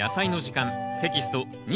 テキスト２